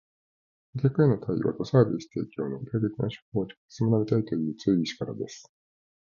顧客への対応とサービス提供の具体的な手法を直接学びたいという強い意志からです